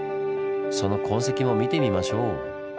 その痕跡も見てみましょう。